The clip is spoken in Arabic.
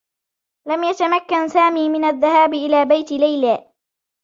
لم يتمكن سامي من الذهاب إلى بيت ليلى.